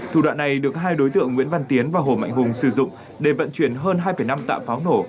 thủ đoạn này được hai đối tượng nguyễn văn tiến và hồ mạnh hùng sử dụng để vận chuyển hơn hai năm tạ pháo nổ